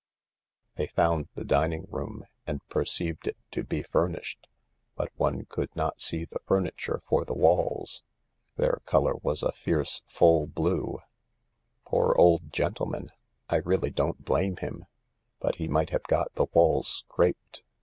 They found the dining room, and perceived it to be furnished, but one could not see the furniture for the walls. Their colour was a fierce full blue. THE LARK 53 " Poor old gentleman, I really don't blame him. But he might have got the walls scraped.